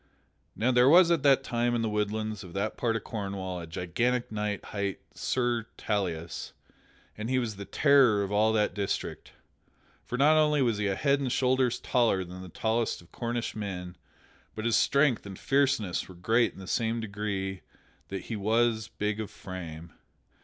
Now there was at that time in the woodlands of that part of Cornwall a gigantic knight hight Sir Tauleas, and he was the terror of all that district. For not only was he a head and shoulders taller than the tallest of Cornish men, but his strength and fierceness were great in the same degree that he was big of frame.